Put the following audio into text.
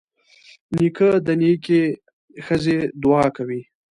نیکه د نیکې ښځې دعا کوي.